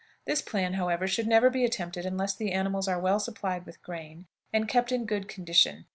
This plan, however, should never be attempted unless the animals are well supplied with grain, and kept in good condition.